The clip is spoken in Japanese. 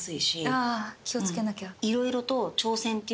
あ気を付けなきゃ。